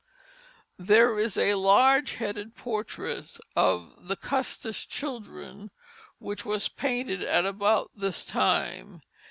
There is a large headed portrait of the Custis children which was painted at about this time.